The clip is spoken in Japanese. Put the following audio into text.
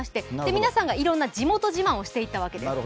皆さんがいろんな地元自慢をしていったわけです。